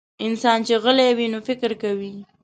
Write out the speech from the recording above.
انسان چې غلی وي، نو فکر کوي.